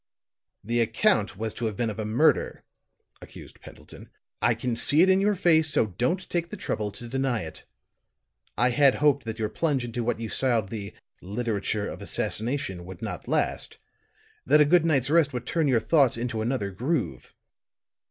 "The account was to have been of a murder," accused Pendleton. "I can see it in your face, so don't take the trouble to deny it. I had hoped that your plunge into what you styled the 'literature of assassination' would not last that a good night's rest would turn your thoughts into another groove."